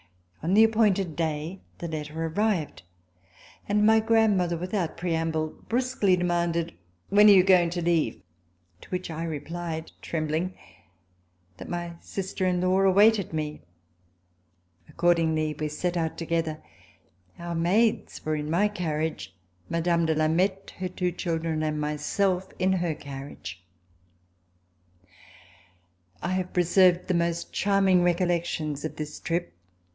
On the appointed day the letter arrived, and my grandmother, without preamble, brusquely demanded, C52] FIRST SEASON IN SOCIETY ''When are you going to leave?" To which I rephed trembh'ng tiiat my sister in law awaited me. Ac cordingly, we set out together. Our maids were in my carriage, Mme. de Lameth, her two children and myself, in her carriage. I have preserved the most charming recollections of this trip.